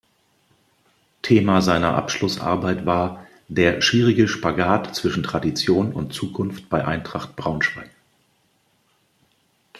Thema seiner Abschlussarbeit war "Der schwierige Spagat zwischen Tradition und Zukunft bei Eintracht Braunschweig".